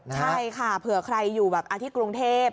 ใช่ค่ะเผื่อใครอยู่แบบที่กรุงเทพ